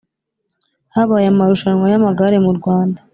Habaye amarushanwa y’amagare mu Rwanda